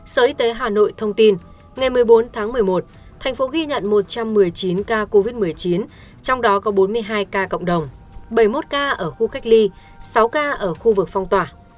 sở y tế hà nội thông tin ngày một mươi bốn tháng một mươi một thành phố ghi nhận một trăm một mươi chín ca covid một mươi chín trong đó có bốn mươi hai ca cộng đồng bảy mươi một ca ở khu cách ly sáu ca ở khu vực phong tỏa